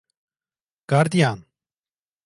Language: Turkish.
Gardiyan!